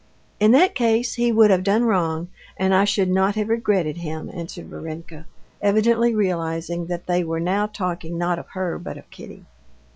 "In that case he would have done wrong, and I should not have regretted him," answered Varenka, evidently realizing that they were now talking not of her, but of Kitty.